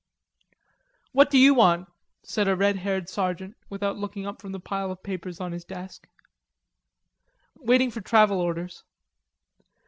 "What do you want?" said a red haired sergeant, without looking up from the pile of papers on his desk. "Waiting for travel orders."